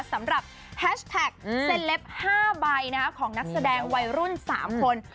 แฮชแท็กเซลป๕ใบของนักแสดงวัยรุ่น๓คน